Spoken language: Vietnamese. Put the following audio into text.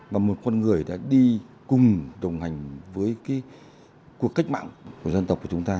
và một con người đã đi cùng đồng hành với cái cuộc cách mạng của dân tộc của chúng ta